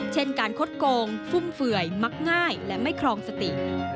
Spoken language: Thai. เช่นการคดโกงฟุ่มเฟื่อยมักง่ายและไม่ครองสติ